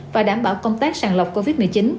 và đảm bảo công tác sàng lọc covid một mươi chín